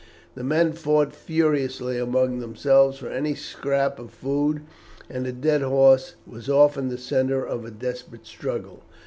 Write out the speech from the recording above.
The men fought furiously among themselves for any scrap of food, and a dead horse was often the centre of a desperate struggle.